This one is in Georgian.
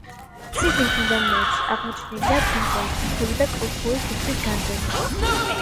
ციხის მიდამოებში აღმოჩენილია ბრინჯაოს ნივთები და კოლხური თეთრის განძები.